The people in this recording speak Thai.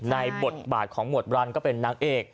บทบาทของหมวดบรันก็เป็นนางเอก